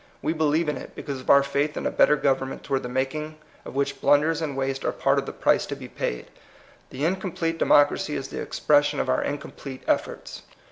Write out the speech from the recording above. We believe ia it, because of our faith in a better government toward the making of which blunders and waste are part of the price to be paid. The incomplete democ racy is the expression of our incomplete efforts.